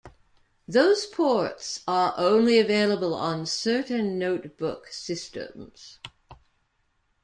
Those ports are only available on certain notebook systems.